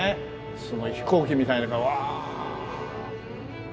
すごい飛行機みたいな。